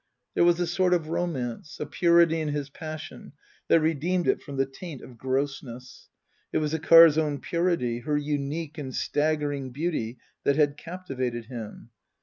There was a sort of romance, a purity in his passion that redeemed it from the taint of grossness. It was the car's own purity, her unique and staggering beauty that had captivated him.